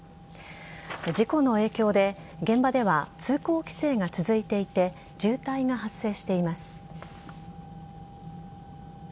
事故の影響で現場では通行規制が続いていて渋滞が発生しています。